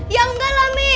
ya enggak lah mi